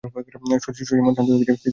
শশীর মন শাস্ত হইয়াছে, স্থিতিলাভ করিয়াছে।